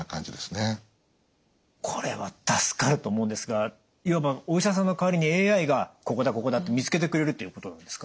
これは助かると思うんですがいわばお医者さんの代わりにＡＩがここだここだって見つけてくれるっていうことなんですか？